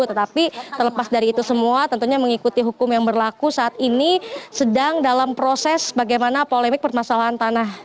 tetapi terlepas dari itu semua tentunya mengikuti hukum yang berlaku saat ini sedang dalam proses bagaimana polemik permasalahan tanah